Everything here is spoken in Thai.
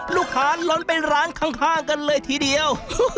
ล้นไปร้านข้างกันเลยทีเดียว